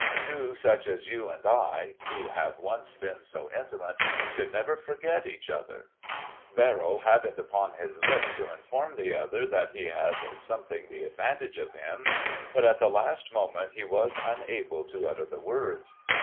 Two such as you and I who have once been so intimate, should never forget each other." Verrill had it upon his lips to inform the other that he had something the advantage of him; but at the last moment he was unable to utter the words.